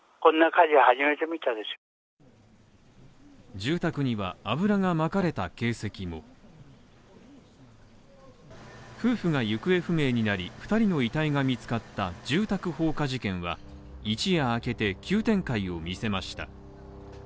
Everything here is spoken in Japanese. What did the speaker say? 住宅には油がまかれた形跡も夫婦が行方不明になり、２人の遺体が見つかった住宅放火事件は一夜明けて急展開を見せました。